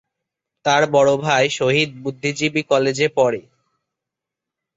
তার বড় ভাই শহীদ বুদ্ধিজীবী কলেজে পড়ে।